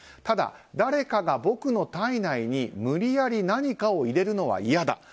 ただ、誰かが僕の体内に無理やり何かを入れるのは嫌だ。